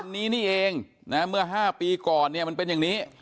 คนนี้นี่เองเมื่อ๕ปีก่อนเป็นอย่างนี้